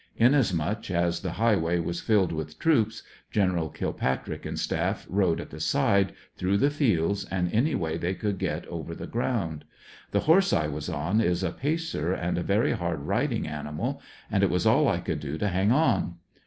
Inasmuch as the highway was filled with troops. Gen. Kilpatrick and staff rode at the side, through the fields, and any way they could get over the ground. The horse I was on is a pacer and a very hard ridmg animal and it was all I could do to hang on.